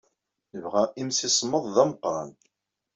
Nebɣa imsismeḍ d ameqran.